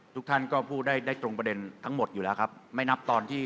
ทุกท่านก็พูดได้ตรงประเด็นทั้งหมดอยู่แล้วครับ